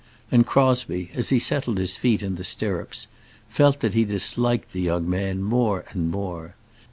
And Crosbie, as he settled his feet in the stirrups, felt that he disliked the young man more and more.